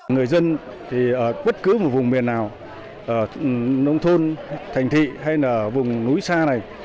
người dân thì ở bất cứ một vùng miền nào nông thôn thành thị hay là vùng núi xa này